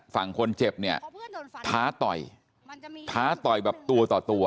ฝั่งคนเจ็บเนี่ยท้าต่อยท้าต่อยแบบตัวต่อตัว